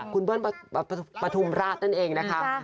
คุณเบิ้ลปฐุมราชนั่นเองนะคะ